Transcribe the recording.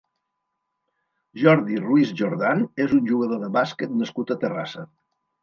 Jordi Ruiz Jordán és un jugador de bàsquet nascut a Terrassa.